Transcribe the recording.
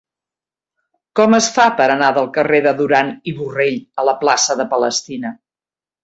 Com es fa per anar del carrer de Duran i Borrell a la plaça de Palestina?